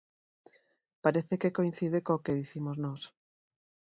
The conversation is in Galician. Parece que coincide co que dicimos nós.